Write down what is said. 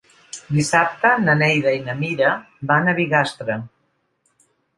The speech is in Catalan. Dissabte na Neida i na Mira van a Bigastre.